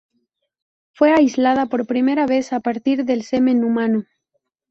Fue aislada por primera vez a partir del semen humano.